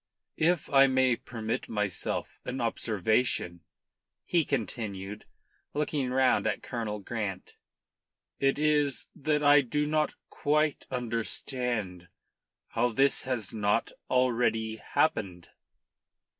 If I may permit myself an observation," he continued, looking round at Colonel Grant, "it is that I do not quite understand how this has not already happened."